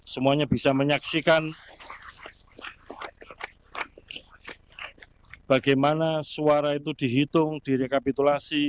semuanya bisa menyaksikan bagaimana suara itu dihitung direkapitulasi